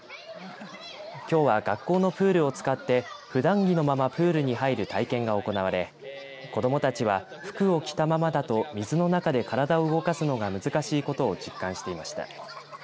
きょうは学校のプールを使ってふだん着のままプールに入る体験が行われ子どもたちは服を着たままだと水の中で体を動かすのが難しいことを実感していました。